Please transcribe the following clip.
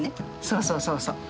そうそうそうそう。